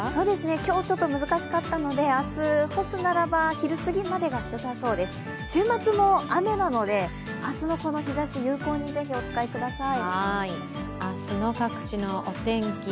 今日、ちょっと難しかったので干すならば昼過ぎまでがよさそうです、週末も雨なので明日のこの日ざしぜひ有効にお使いください。